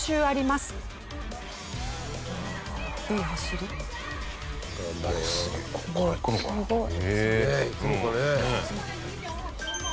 すごい！